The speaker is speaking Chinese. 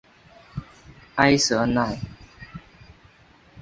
埃舍奈。